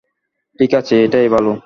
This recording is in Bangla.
ঠিক আছে, এটাই ভালো।